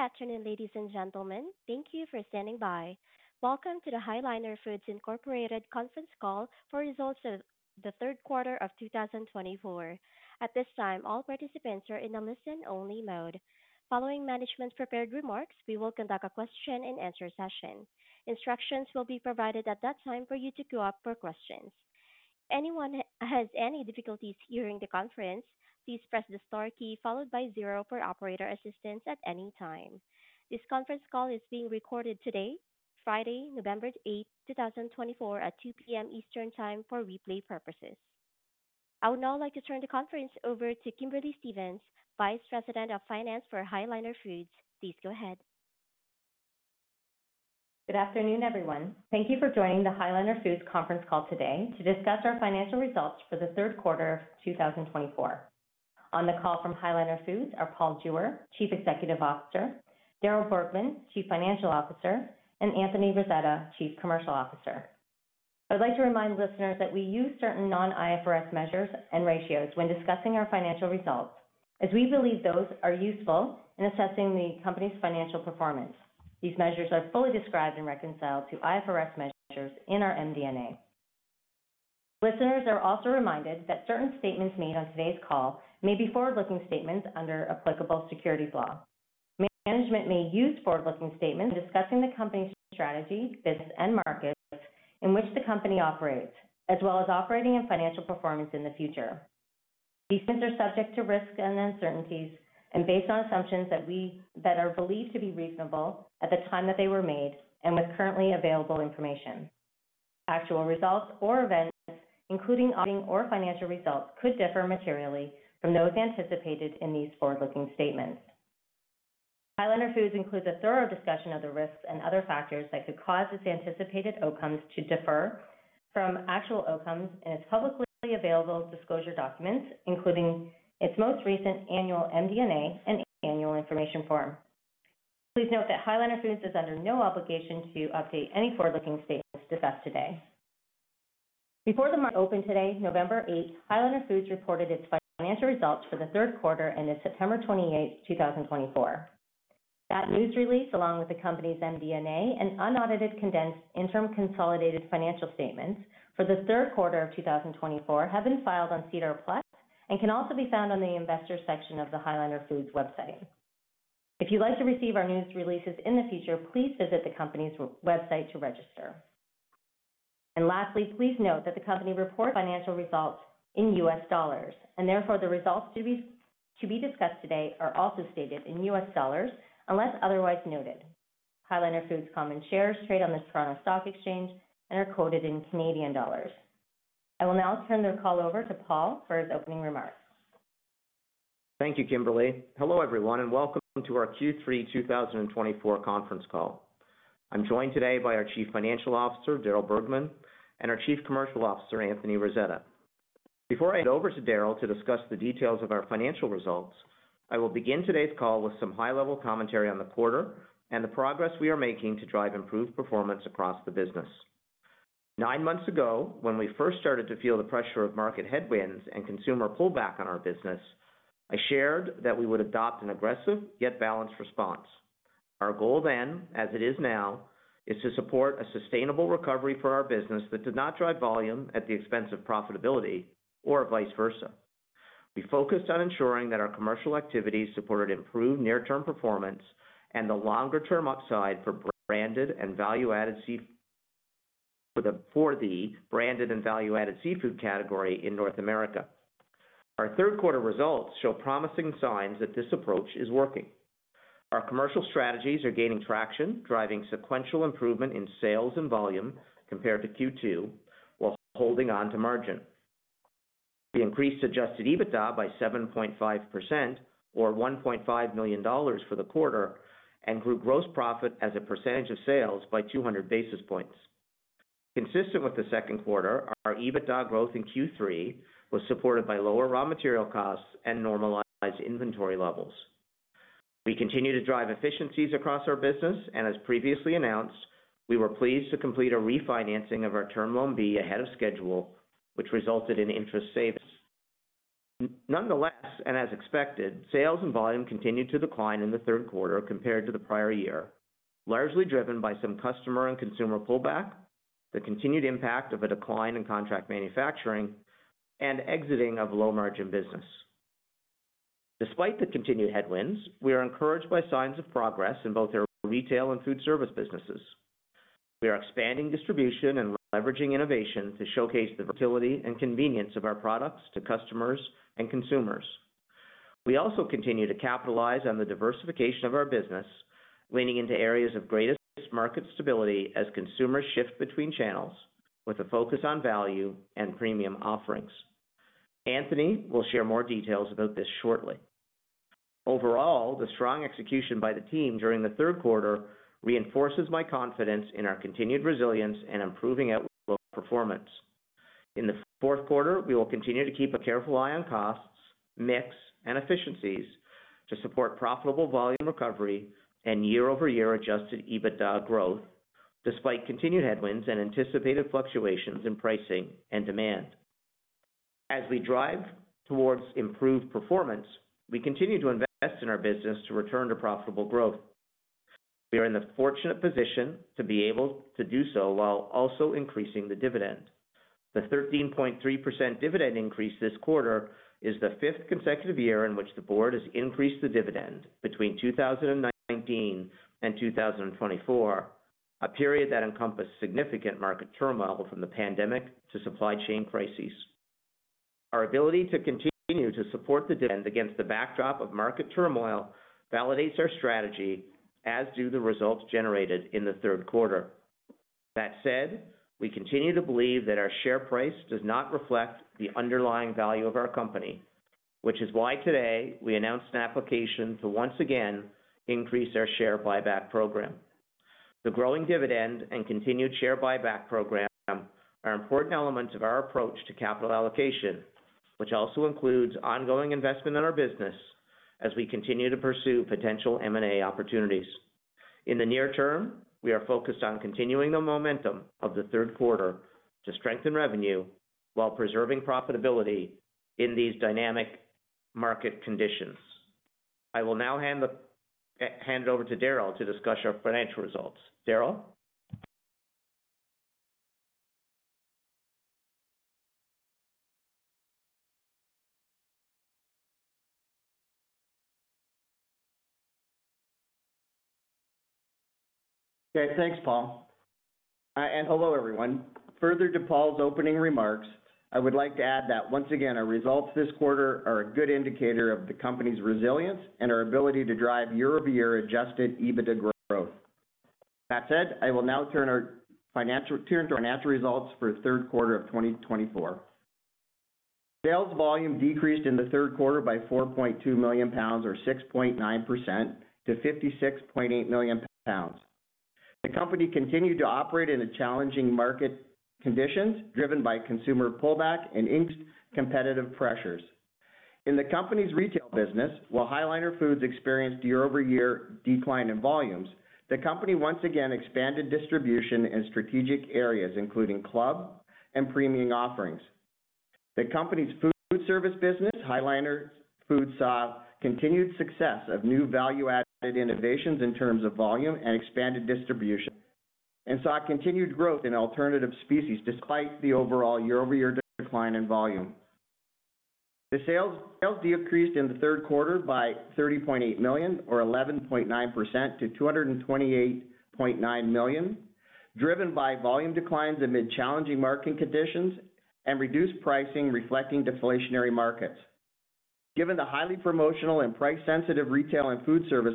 Good afternoon, ladies and gentlemen. Thank you for standing by. Welcome to the High Liner Foods Incorporated conference call for results of the third quarter of 2024. At this time, all participants are in a listen-only mode. Following management's prepared remarks, we will conduct a question-and-answer session. Instructions will be provided at that time for you to go up for questions. If anyone has any difficulties hearing the conference, please press the star key followed by zero for operator assistance at any time. This conference call is being recorded today, Friday, November 8, 2024, at 2:00 P.M. Eastern Time for replay purposes. I would now like to turn the conference over to Kimberly Stephens, Vice President of Finance for High Liner Foods. Please go ahead. Good afternoon, everyone. Thank you for joining the High Liner Foods conference call today to discuss our financial results for the third quarter of 2024. On the call from High Liner Foods are Paul Jewer, Chief Executive Officer, Darryl Bergman, Chief Financial Officer, and Anthony Rasetta, Chief Commercial Officer. I would like to remind listeners that we use certain non-IFRS measures and ratios when discussing our financial results, as we believe those are useful in assessing the company's financial performance. These measures are fully described and reconciled to IFRS measures in our MD&A. Listeners are also reminded that certain statements made on today's call may be forward-looking statements under applicable securities law. Management may use forward-looking statements when discussing the company's strategy, business, and markets in which the company operates, as well as operating and financial performance in the future. These statements are subject to risks and uncertainties and based on assumptions that are believed to be reasonable at the time that they were made and with currently available information. Actual results or events, including auditing or financial results, could differ materially from those anticipated in these forward-looking statements. High Liner Foods includes a thorough discussion of the risks and other factors that could cause its anticipated outcomes to differ from actual outcomes in its publicly available disclosure documents, including its most recent annual MD&A and annual information form. Please note that High Liner Foods is under no obligation to update any forward-looking statements discussed today. Before the market opened today, November 8, High Liner Foods reported its financial results for the third quarter ended September 28, 2024. That news release, along with the company's MD&A and unaudited condensed interim consolidated financial statements for the third quarter of 2024, have been filed on Cedar+ and can also be found on the investor section of the High Liner Foods website. If you'd like to receive our news releases in the future, please visit the company's website to register. Lastly, please note that the company reports financial results in U.S. dollars, and therefore the results to be discussed today are also stated in U.S. dollars unless otherwise noted. High Liner Foods common shares trade on the Toronto Stock Exchange and are quoted in Canadian dollars. I will now turn the call over to Paul for his opening remarks. Thank you, Kimberly. Hello, everyone, and welcome to our Q3 2024 conference call. I'm joined today by our Chief Financial Officer, Darryl Bergman, and our Chief Commercial Officer, Anthony Rasetta. Before I hand over to Darryl to discuss the details of our financial results, I will begin today's call with some high-level commentary on the quarter and the progress we are making to drive improved performance across the business. Nine months ago, when we first started to feel the pressure of market headwinds and consumer pullback on our business, I shared that we would adopt an aggressive yet balanced response. Our goal then, as it is now, is to support a sustainable recovery for our business that did not drive volume at the expense of profitability or vice versa. We focused on ensuring that our commercial activities supported improved near-term performance and the longer-term upside for branded and value-added seafood category in North America. Our third-quarter results show promising signs that this approach is working. Our commercial strategies are gaining traction, driving sequential improvement in sales and volume compared to Q2, while holding on to margin. We increased Adjusted EBITDA by 7.5%, or $1.5 million for the quarter, and grew gross profit as a percentage of sales by 200 basis points. Consistent with the second quarter, our EBITDA growth in Q3 was supported by lower raw material costs and normalized inventory levels. We continue to drive efficiencies across our business, and as previously announced, we were pleased to complete a refinancing of our Term Loan B ahead of schedule, which resulted in interest savings. Nonetheless, and as expected, sales and volume continued to decline in the third quarter compared to the prior year, largely driven by some customer and consumer pullback, the continued impact of a decline in contract manufacturing, and exiting of low-margin business. Despite the continued headwinds, we are encouraged by signs of progress in both our retail and food service businesses. We are expanding distribution and leveraging innovation to showcase the versatility and convenience of our products to customers and consumers. We also continue to capitalize on the diversification of our business, leaning into areas of greatest market stability as consumers shift between channels with a focus on value and premium offerings. Anthony will share more details about this shortly. Overall, the strong execution by the team during the third quarter reinforces my confidence in our continued resilience and improving outlook performance. In the fourth quarter, we will continue to keep a careful eye on costs, mix, and efficiencies to support profitable volume recovery and year-over-year Adjusted EBITDA growth, despite continued headwinds and anticipated fluctuations in pricing and demand. As we drive towards improved performance, we continue to invest in our business to return to profitable growth. We are in the fortunate position to be able to do so while also increasing the dividend. The 13.3% dividend increase this quarter is the fifth consecutive year in which the board has increased the dividend between 2019 and 2024, a period that encompassed significant market turmoil from the pandemic to supply chain crises. Our ability to continue to support the dividend against the backdrop of market turmoil validates our strategy, as do the results generated in the third quarter. That said, we continue to believe that our share price does not reflect the underlying value of our company, which is why today we announced an application to once again increase our share buyback program. The growing dividend and continued share buyback program are important elements of our approach to capital allocation, which also includes ongoing investment in our business as we continue to pursue potential M&A opportunities. In the near term, we are focused on continuing the momentum of the third quarter to strengthen revenue while preserving profitability in these dynamic market conditions. I will now hand it over to Darryl to discuss our financial results. Darryl? Okay. Thanks, Paul, and hello, everyone. Further to Paul's opening remarks, I would like to add that once again, our results this quarter are a good indicator of the company's resilience and our ability to drive year-over-year Adjusted EBITDA growth. That said, I will now turn to our financial results for the third quarter of 2024. Sales volume decreased in the third quarter by 4.2 million pounds, or 6.9%, to 56.8 million pounds. The company continued to operate in challenging market conditions driven by consumer pullback and increased competitive pressures. In the company's retail business, while High Liner Foods experienced year-over-year decline in volumes, the company once again expanded distribution and strategic areas, including club and premium offerings. The company's food service business, High Liner Foods, saw continued success of new value-added innovations in terms of volume and expanded distribution, and saw continued growth in alternative species despite the overall year-over-year decline in volume. The sales decreased in the third quarter by $30.8 million, or 11.9%, to $228.9 million, driven by volume declines amid challenging marketing conditions and reduced pricing reflecting deflationary markets. Given the highly promotional and price-sensitive retail and food service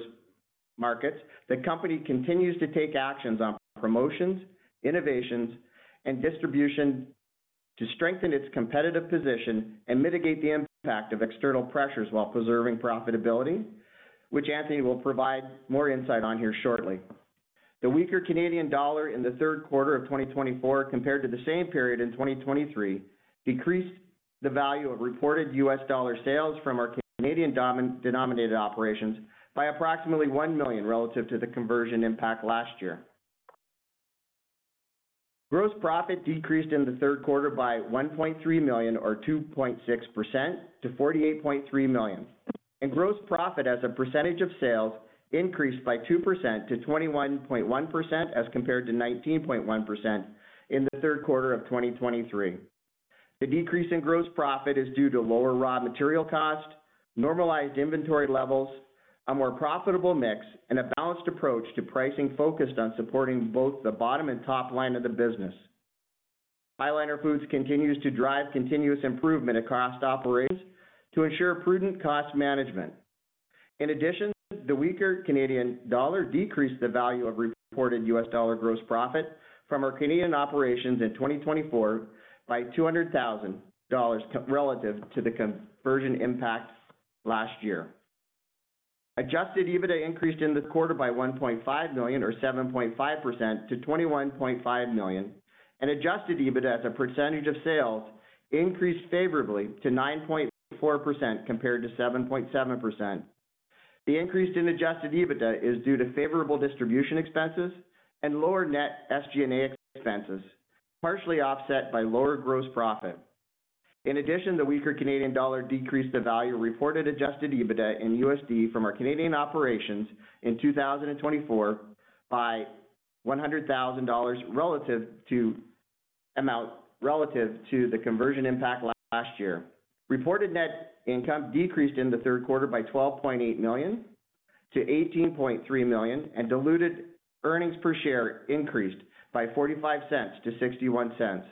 markets, the company continues to take actions on promotions, innovations, and distribution to strengthen its competitive position and mitigate the impact of external pressures while preserving profitability, which Anthony will provide more insight on here shortly. The weaker Canadian dollar in the third quarter of 2024, compared to the same period in 2023, decreased the value of reported U.S. dollar sales from our Canadian-denominated operations by approximately $1 million relative to the conversion impact last year. Gross profit decreased in the third quarter by $1.3 million, or 2.6%, to $48.3 million, and gross profit as a percentage of sales increased by 2% to 21.1% as compared to 19.1% in the third quarter of 2023. The decrease in gross profit is due to lower raw material costs, normalized inventory levels, a more profitable mix, and a balanced approach to pricing focused on supporting both the bottom and top line of the business. High Liner Foods continues to drive continuous improvement across operations to ensure prudent cost management. In addition, the weaker Canadian dollar decreased the value of reported U.S. dollar gross profit from our Canadian operations in 2024 by $200,000 relative to the conversion impact last year. Adjusted EBITDA increased in the quarter by $1.5 million, or 7.5%, to $21.5 million, and adjusted EBITDA as a percentage of sales increased favorably to 9.4% compared to 7.7%. The increase in adjusted EBITDA is due to favorable distribution expenses and lower net SG&A expenses, partially offset by lower gross profit. In addition, the weaker Canadian dollar decreased the value of reported adjusted EBITDA in USD from our Canadian operations in 2024 by $100,000 relative to the conversion impact last year. Reported net income decreased in the third quarter by $12.8 million to $18.3 million, and diluted earnings per share increased by $0.45 to $0.61.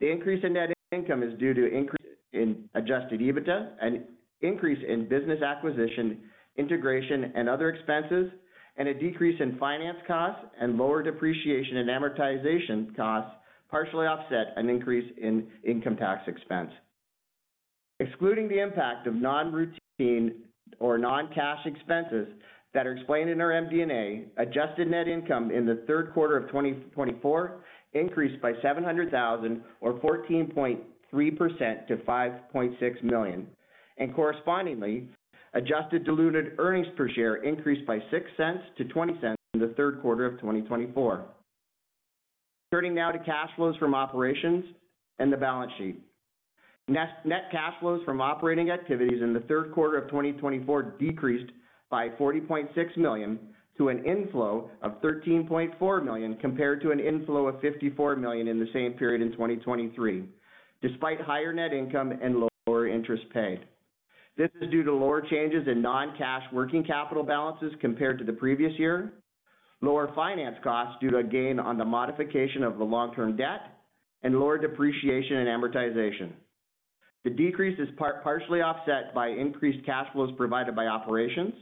The increase in net income is due to an increase in adjusted EBITDA, an increase in business acquisition integration and other expenses, and a decrease in finance costs and lower depreciation and amortization costs partially offset an increase in income tax expense. Excluding the impact of non-routine or non-cash expenses that are explained in our MD&A, adjusted net income in the third quarter of 2024 increased by $700,000, or 14.3%, to $5.6 million, and correspondingly, adjusted diluted earnings per share increased by $0.06 to $0.20 in the third quarter of 2024. Turning now to cash flows from operations and the balance sheet. Net cash flows from operating activities in the third quarter of 2024 decreased by $40.6 million to an inflow of $13.4 million compared to an inflow of $54 million in the same period in 2023, despite higher net income and lower interest paid. This is due to lower changes in non-cash working capital balances compared to the previous year, lower finance costs due to a gain on the modification of the long-term debt, and lower depreciation and amortization. The decrease is partially offset by increased cash flows provided by operations.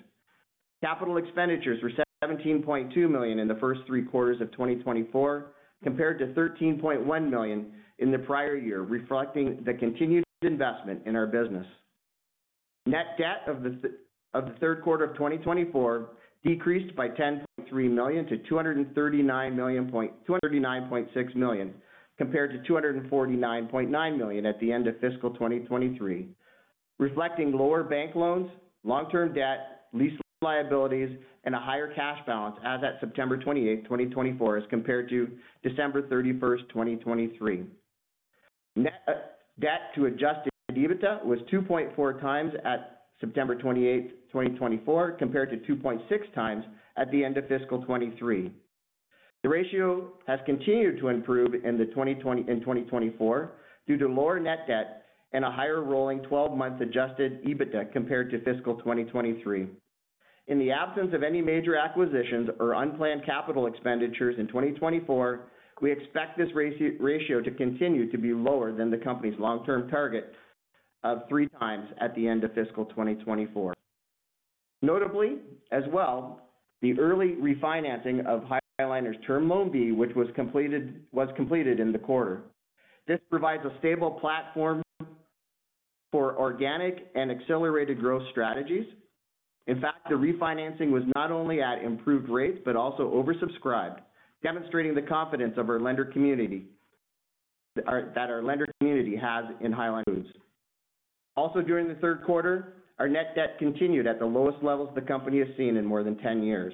Capital expenditures were $17.2 million in the first three quarters of 2024 compared to $13.1 million in the prior year, reflecting the continued investment in our business. Net debt of the third quarter of 2024 decreased by $10.3 million to $239.6 million compared to $249.9 million at the end of fiscal 2023, reflecting lower bank loans, long-term debt, lease liabilities, and a higher cash balance as at September 28, 2024, as compared to December 31, 2023. Net debt to Adjusted EBITDA was 2.4 times at September 28, 2024, compared to 2.6 times at the end of fiscal 2023. The ratio has continued to improve in 2024 due to lower net debt and a higher rolling 12-month Adjusted EBITDA compared to fiscal 2023. In the absence of any major acquisitions or unplanned capital expenditures in 2024, we expect this ratio to continue to be lower than the company's long-term target of three times at the end of fiscal 2024. Notably as well, the early refinancing of High Liner's Term Loan B, which was completed in the quarter. This provides a stable platform for organic and accelerated growth strategies. In fact, the refinancing was not only at improved rates but also oversubscribed, demonstrating the confidence of our lender community that has in High Liner Foods. Also, during the third quarter, our net debt continued at the lowest levels the company has seen in more than 10 years.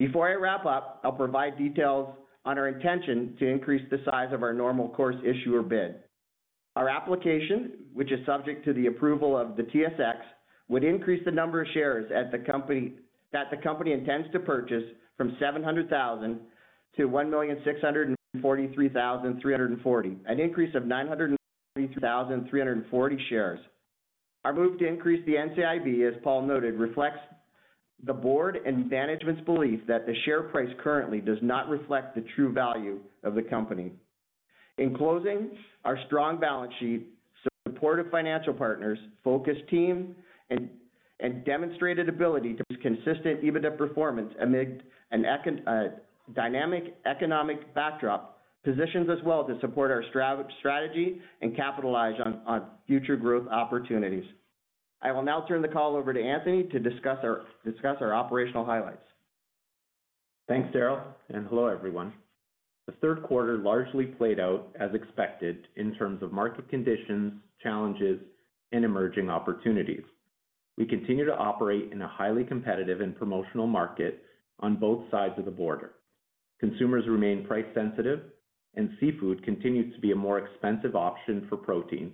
Before I wrap up, I'll provide details on our intention to increase the size of our normal course issuer bid. Our application, which is subject to the approval of the TSX, would increase the number of shares that the company intends to purchase from 700,000 to 1,643,340, an increase of 943,340 shares. Our move to increase the NCIB, as Paul noted, reflects the board and management's belief that the share price currently does not reflect the true value of the company. In closing, our strong balance sheet, supportive financial partners, focused team, and demonstrated ability to consistent EBITDA performance amid a dynamic economic backdrop positions us well to support our strategy and capitalize on future growth opportunities. I will now turn the call over to Anthony to discuss our operational highlights. Thanks, Darryl. And hello, everyone. The third quarter largely played out as expected in terms of market conditions, challenges, and emerging opportunities. We continue to operate in a highly competitive and promotional market on both sides of the border. Consumers remain price-sensitive, and seafood continues to be a more expensive option for protein,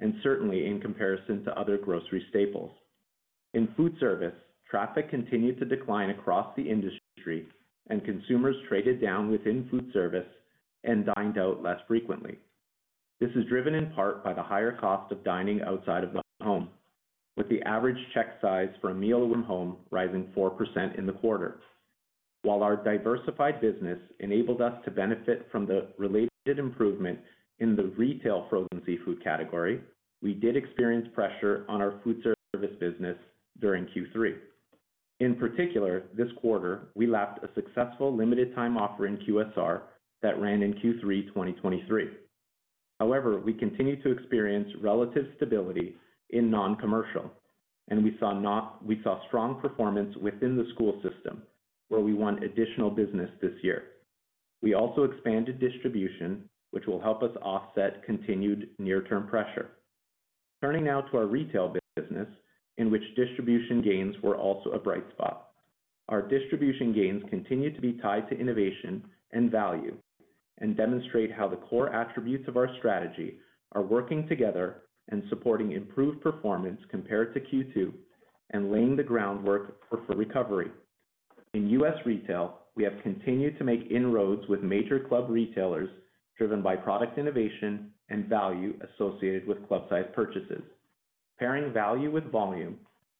and certainly in comparison to other grocery staples. In food service, traffic continued to decline across the industry, and consumers traded down within food service and dined out less frequently. This is driven in part by the higher cost of dining outside of the home, with the average check size for a meal from home rising 4% in the quarter. While our diversified business enabled us to benefit from the related improvement in the retail frozen seafood category, we did experience pressure on our food service business during Q3. In particular, this quarter, we lapped a successful limited-time offer in QSR that ran in Q3 2023. However, we continue to experience relative stability in non-commercial, and we saw strong performance within the school system, where we won additional business this year. We also expanded distribution, which will help us offset continued near-term pressure. Turning now to our retail business, in which distribution gains were also a bright spot. Our distribution gains continue to be tied to innovation and value and demonstrate how the core attributes of our strategy are working together and supporting improved performance compared to Q2 and laying the groundwork for recovery. In U.S. retail, we have continued to make inroads with major club retailers driven by product innovation and value associated with club-sized purchases. Pairing value with volume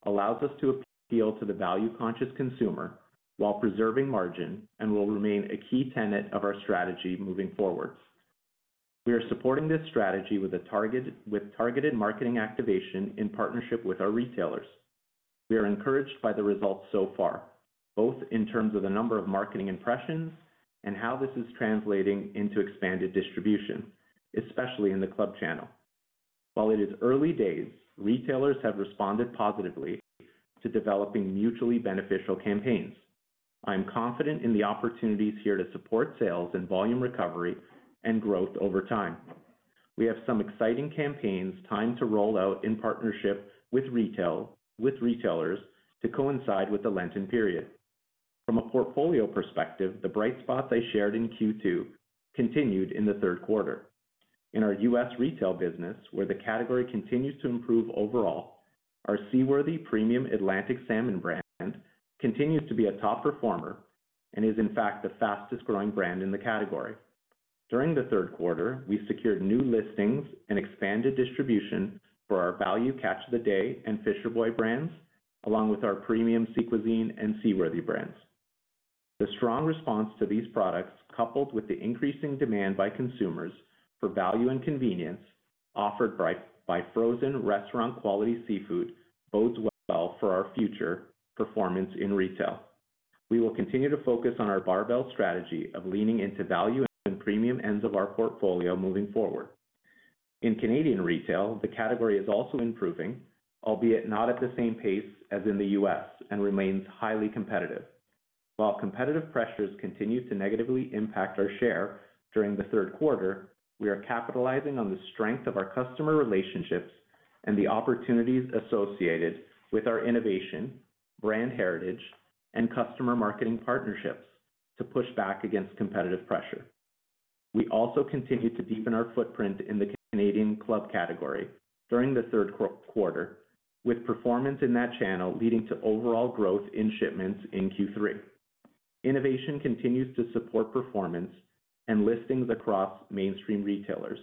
allows us to appeal to the value-conscious consumer while preserving margin and will remain a key tenet of our strategy moving forward. We are supporting this strategy with targeted marketing activation in partnership with our retailers. We are encouraged by the results so far, both in terms of the number of marketing impressions and how this is translating into expanded distribution, especially in the club channel. While it is early days, retailers have responded positively to developing mutually beneficial campaigns. I am confident in the opportunities here to support sales and volume recovery and growth over time. We have some exciting campaigns timed to roll out in partnership with retailers to coincide with the Lenten period. From a portfolio perspective, the bright spots I shared in Q2 continued in the third quarter. In our U.S. Retail business, where the category continues to improve overall, our Seaworthy Premium Atlantic Salmon brand continues to be a top performer and is, in fact, the fastest-growing brand in the category. During the third quarter, we secured new listings and expanded distribution for our value Catch of the Day and Fisher Boy brands, along with our premium Sea Cuisine and Seaworthy brands. The strong response to these products, coupled with the increasing demand by consumers for value and convenience offered by frozen restaurant-quality seafood, bodes well for our future performance in retail. We will continue to focus on our Barbell Strategy of leaning into value and premium ends of our portfolio moving forward. In Canadian retail, the category is also improving, albeit not at the same pace as in the U.S., and remains highly competitive. While competitive pressures continue to negatively impact our share during the third quarter, we are capitalizing on the strength of our customer relationships and the opportunities associated with our innovation, brand heritage, and customer marketing partnerships to push back against competitive pressure. We also continue to deepen our footprint in the Canadian club category during the third quarter, with performance in that channel leading to overall growth in shipments in Q3. Innovation continues to support performance and listings across mainstream retailers,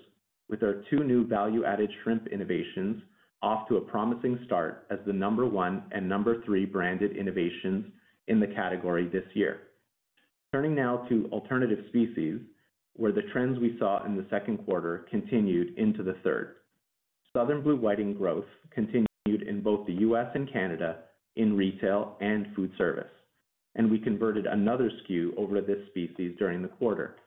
with our two new value-added shrimp innovations off to a promising start as the number one and number three branded innovations in the category this year. Turning now to alternative species, where the trends we saw in the second quarter continued into the third. Southern Blue Whiting growth continued in both the U.S. and Canada in retail and food service, and we converted another SKU over this species during the quarter.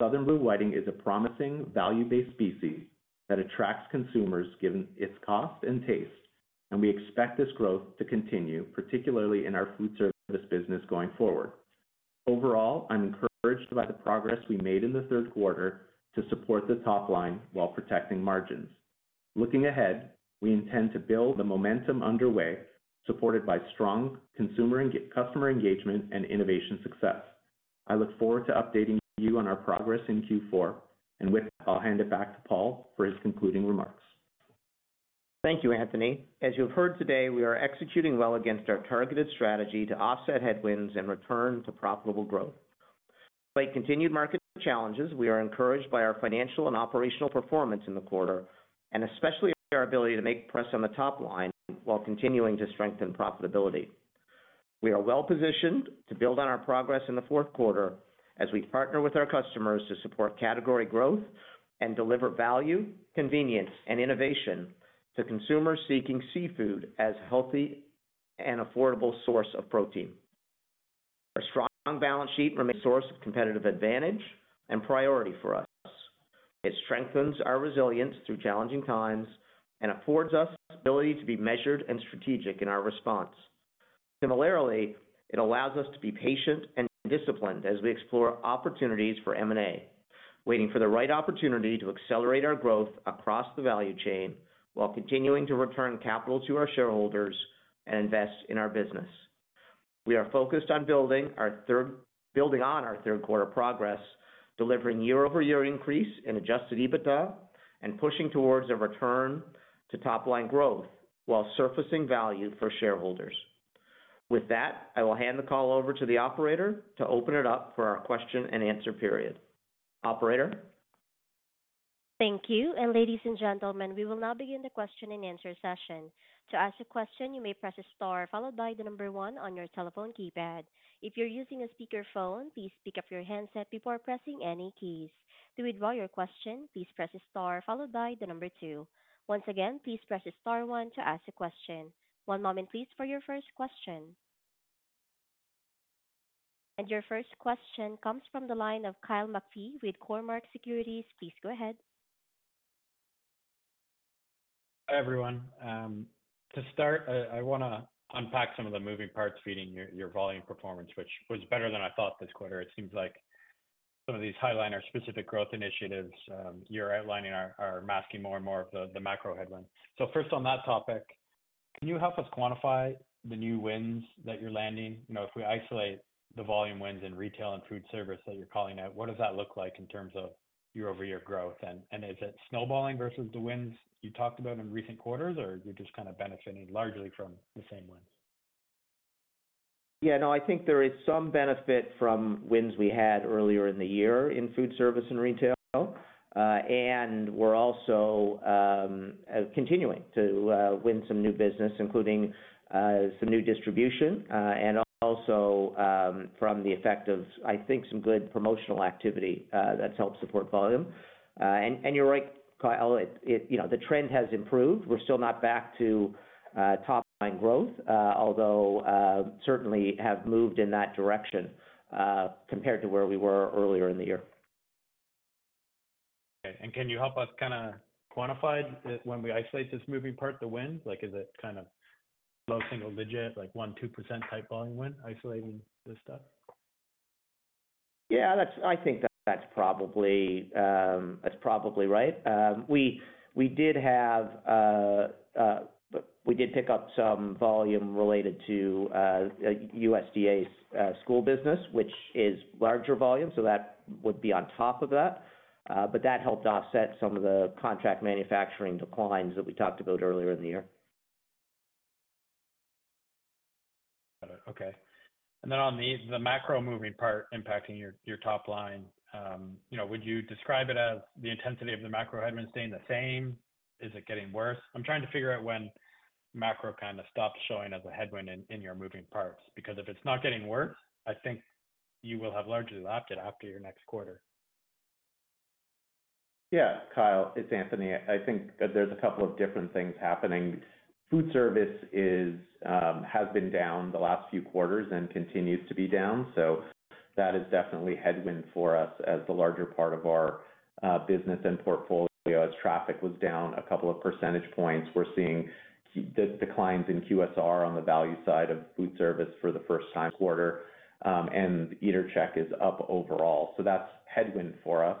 Southern Blue Whiting is a promising value-based species that attracts consumers given its cost and taste, and we expect this growth to continue, particularly in our food service business going forward. Overall, I'm encouraged by the progress we made in the third quarter to support the top line while protecting margins. Looking ahead, we intend to build the momentum underway, supported by strong consumer customer engagement and innovation success. I look forward to updating you on our progress in Q4, and with that, I'll hand it back to Paul for his concluding remarks. Thank you, Anthony. As you've heard today, we are executing well against our targeted strategy to offset headwinds and return to profitable growth. Despite continued market challenges, we are encouraged by our financial and operational performance in the quarter, and especially our ability to make progress on the top line while continuing to strengthen profitability. We are well positioned to build on our progress in the fourth quarter as we partner with our customers to support category growth and deliver value, convenience, and innovation to consumers seeking seafood as a healthy and affordable source of protein. Our strong balance sheet remains a source of competitive advantage and priority for us. It strengthens our resilience through challenging times and affords us the ability to be measured and strategic in our response. Similarly, it allows us to be patient and disciplined as we explore opportunities for M&A, waiting for the right opportunity to accelerate our growth across the value chain while continuing to return capital to our shareholders and invest in our business. We are focused on building on our third-quarter progress, delivering year-over-year increase in Adjusted EBITDA and pushing towards a return to top-line growth while surfacing value for shareholders. With that, I will hand the call over to the operator to open it up for our question-and-answer period. Operator. Thank you. And ladies and gentlemen, we will now begin the question-and-answer session. To ask a question, you may press a star followed by the number one on your telephone keypad. If you're using a speakerphone, please pick up your handset before pressing any keys. To withdraw your question, please press a star followed by the number two. Once again, please press star one to ask a question. One moment, please, for your first question. And your first question comes from the line of Kyle McPhee with Cormark Securities. Please go ahead. Hi, everyone. To start, I want to unpack some of the moving parts feeding your volume performance, which was better than I thought this quarter. It seems like some of these High Liner-specific growth initiatives you're outlining are masking more and more of the macro headlines. So first, on that topic, can you help us quantify the new wins that you're landing? If we isolate the volume wins in retail and food service that you're calling out, what does that look like in terms of year-over-year growth? And is it snowballing versus the wins you talked about in recent quarters, or are you just kind of benefiting largely from the same wins? Yeah. No, I think there is some benefit from wins we had earlier in the year in food service and retail. And we're also continuing to win some new business, including some new distribution and also from the effect of, I think, some good promotional activity that's helped support volume. And you're right, Kyle. The trend has improved. We're still not back to top-line growth, although certainly have moved in that direction compared to where we were earlier in the year. Okay. And can you help us kind of quantify when we isolate this moving part, the wins? Is it kind of low single-digit, like 1-2% type volume win isolating this stuff? Yeah. I think that's probably right. We did pick up some volume related to USDA's school business, which is larger volume, so that would be on top of that. But that helped offset some of the contract manufacturing declines that we talked about earlier in the year. Got it. Okay, and then on the macro moving part impacting your top line, would you describe it as the intensity of the macro headwinds staying the same? Is it getting worse? I'm trying to figure out when macro kind of stops showing as a headwind in your moving parts. Because if it's not getting worse, I think you will have largely lapped it after your next quarter. Yeah. Kyle, it's Anthony. I think that there's a couple of different things happening. Foodservice has been down the last few quarters and continues to be down. So that is definitely a headwind for us as the larger part of our business and portfolio. As traffic was down a couple of percentage points, we're seeing declines in QSR on the value side of foodservice for the first time this quarter. And average check is up overall. So that's headwind for us.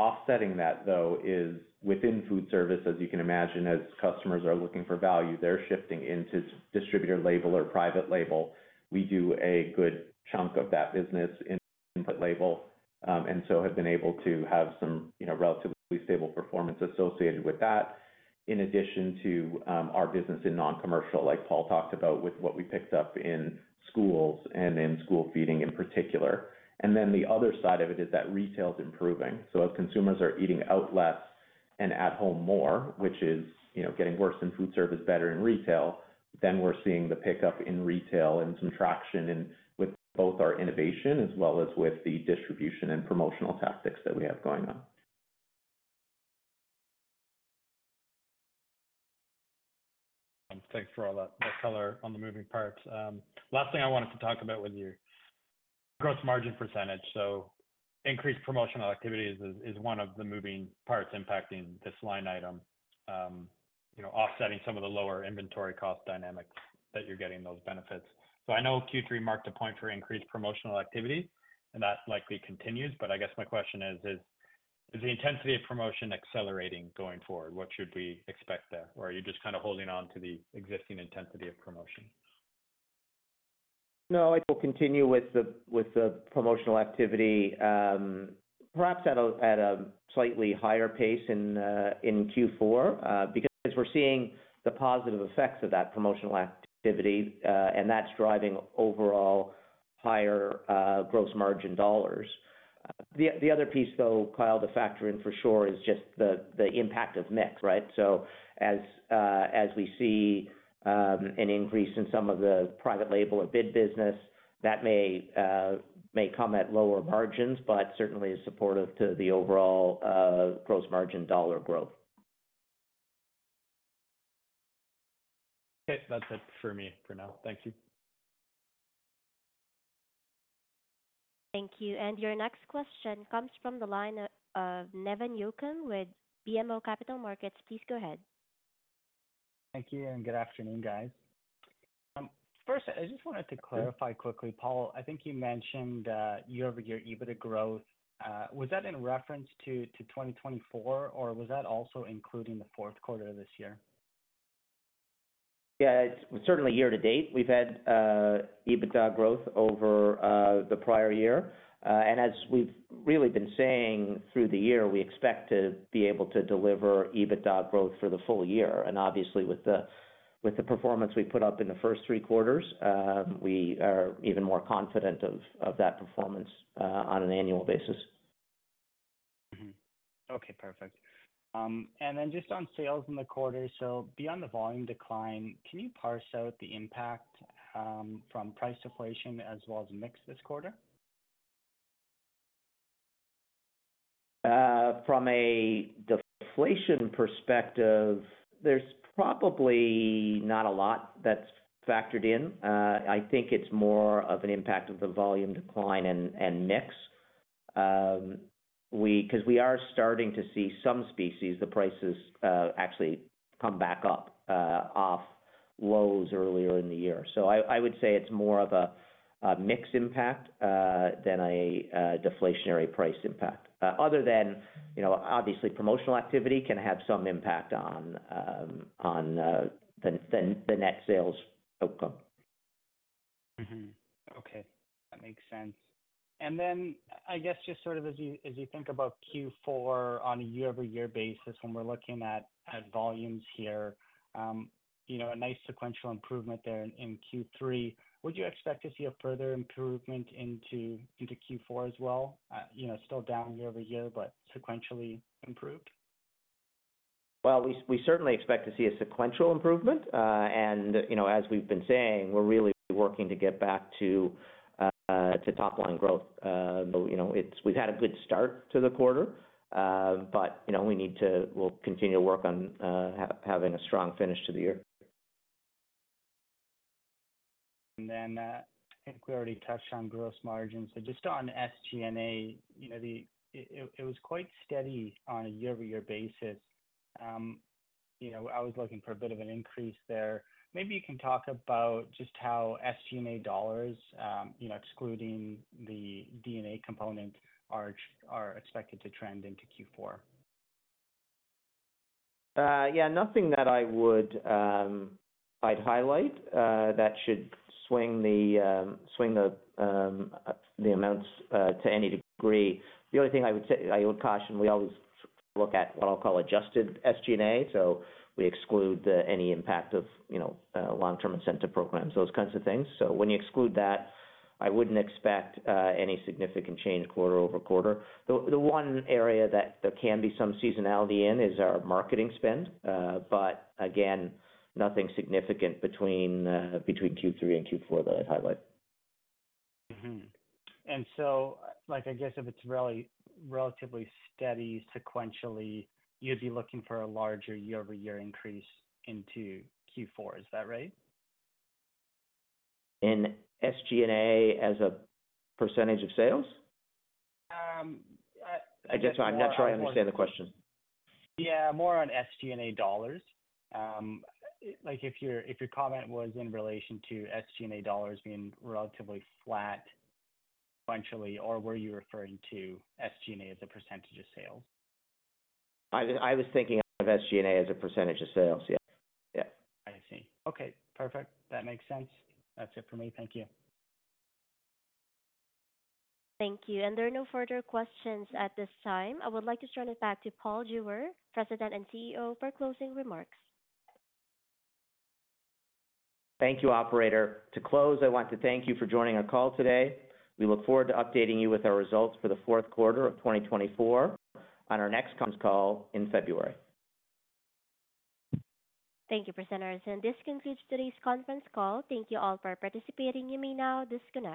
Offsetting that, though, is within foodservice, as you can imagine, as customers are looking for value, they're shifting into distributor label or private label. We do a good chunk of that business in private label, and so have been able to have some relatively stable performance associated with that, in addition to our business in non-commercial, like Paul talked about, with what we picked up in schools and in school feeding in particular. And then the other side of it is that retail is improving. So as consumers are eating out less and at home more, which is getting worse in foodservice, better in retail, then we're seeing the pickup in retail and some traction with both our innovation as well as with the distribution and promotional tactics that we have going on. Thanks for all that color on the moving parts. Last thing I wanted to talk about with you, the gross margin percentage. So increased promotional activity is one of the moving parts impacting this line item, offsetting some of the lower inventory cost dynamics that you're getting those benefits. So I know Q3 marked a point for increased promotional activity, and that likely continues. But I guess my question is, is the intensity of promotion accelerating going forward? What should we expect there? Or are you just kind of holding on to the existing intensity of promotion? No, I think we'll continue with the promotional activity, perhaps at a slightly higher pace in Q4, because we're seeing the positive effects of that promotional activity, and that's driving overall higher gross margin dollars. The other piece, though, Kyle, to factor in for sure, is just the impact of mix, right? So as we see an increase in some of the private label or bid business, that may come at lower margins, but certainly is supportive to the overall gross margin dollar growth. Okay. That's it for me for now. Thank you. Thank you. And your next question comes from the line of Nevan Yarkin with BMO Capital Markets. Please go ahead. Thank you and good afternoon, guys. First, I just wanted to clarify quickly, Paul. I think you mentioned year-over-year EBITDA growth. Was that in reference to 2024, or was that also including the fourth quarter of this year? Yeah. It's certainly year-to-date. We've had EBITDA growth over the prior year, and as we've really been saying through the year, we expect to be able to deliver EBITDA growth for the full year, and obviously, with the performance we put up in the first three quarters, we are even more confident of that performance on an annual basis. Okay. Perfect. And then just on sales in the quarter, so beyond the volume decline, can you parse out the impact from price deflation as well as mix this quarter? From a deflation perspective, there's probably not a lot that's factored in. I think it's more of an impact of the volume decline and mix. Because we are starting to see some species, the prices actually come back up off lows earlier in the year. So I would say it's more of a mixed impact than a deflationary price impact. Other than, obviously, promotional activity can have some impact on the net sales outcome. Okay. That makes sense. And then I guess just sort of as you think about Q4 on a year-over-year basis, when we're looking at volumes here, a nice sequential improvement there in Q3. Would you expect to see a further improvement into Q4 as well? Still down year-over-year, but sequentially improved? We certainly expect to see a sequential improvement. As we've been saying, we're really working to get back to top-line growth. We've had a good start to the quarter, but we need to continue to work on having a strong finish to the year. And then I think we already touched on gross margins. So just on SG&A, it was quite steady on a year-over-year basis. I was looking for a bit of an increase there. Maybe you can talk about just how SG&A dollars, excluding the DNA component, are expected to trend into Q4. Yeah. Nothing that I would highlight that should swing the amounts to any degree. The only thing I would caution, we always look at what I'll call adjusted SG&A. So we exclude any impact of long-term incentive programs, those kinds of things. So when you exclude that, I wouldn't expect any significant change quarter over quarter. The one area that there can be some seasonality in is our marketing spend. But again, nothing significant between Q3 and Q4 that I'd highlight. And so I guess if it's really relatively steady sequentially, you'd be looking for a larger year-over-year increase into Q4. Is that right? In SG&A as a % of sales? I guess I'm not sure I understand the question. Yeah. More on SG&A dollars. If your comment was in relation to SG&A dollars being relatively flat sequentially, or were you referring to SG&A as a percentage of sales? I was thinking of SG&A as a percentage of sales. Yeah. Yeah. I see. Okay. Perfect. That makes sense. That's it for me. Thank you. Thank you, and there are no further questions at this time. I would like to turn it back to Paul Jewer, President and CEO, for closing remarks. Thank you, Operator. To close, I want to thank you for joining our call today. We look forward to updating you with our results for the fourth quarter of 2024 on our next conference call in February. Thank you, presenters. And this concludes today's conference call. Thank you all for participating. You may now disconnect.